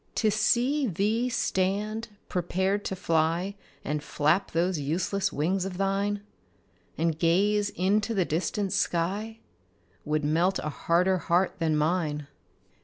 To see thee stand prepared to fly, And flap those useless wings of thine, And gaze into the distant sky, Would melt a harder heart than mine.